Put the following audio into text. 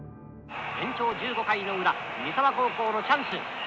延長１５回の裏三沢高校のチャンス。